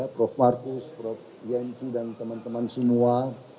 prof markus prof yencu dan teman teman semua